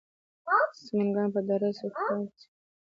د سمنګان په دره صوف پاین کې څه شی شته؟